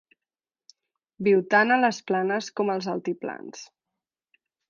Viu tant a les planes com als altiplans.